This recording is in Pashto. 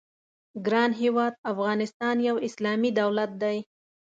ګران هېواد افغانستان یو اسلامي دولت دی.